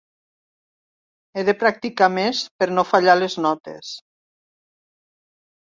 He de practicar més per no fallar les notes.